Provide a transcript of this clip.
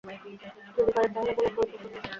যদি পারেন তাহলে বলুন, গল্প শুনব।